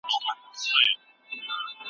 کيفي شاخصونه د ژوند د ښه والي لپاره منل سوي دي.